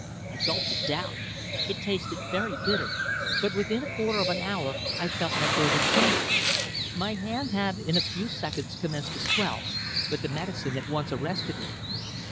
I gulped it down. It tasted very bitter, but within a quarter of an hour I felt no further pain. My hand had in a few seconds commenced to swell, but the medicine at once arrested it.